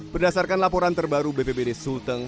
berdasarkan laporan terbaru bpbd sulteng